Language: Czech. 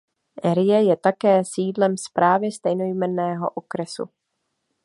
Erie je také sídlem správy stejnojmenného okresu.